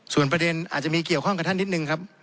ส่วนประเด็นอาจจะมีเกี่ยวข้องกับท่านนิดนึงครับ